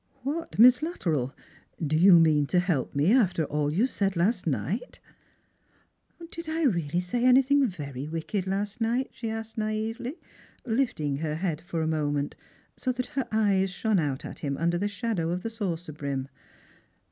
'•' What, Miss Luttrell, do you mean to help me, after all you said last night ?"" Did I really say anything very wicked last night ?" she asked naively, lifting her head for a moment so that her eyes shone out at him under the shadow of the saucer brim.